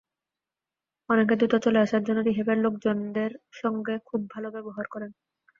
অনেকে দ্রুত চলে আসার জন্য রিহ্যাবের লোকজনদের সঙ্গে খুব ভালো ব্যবহার করেন।